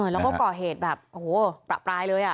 แล้วก็ก่อเหตุแบบปรับร้ายเลย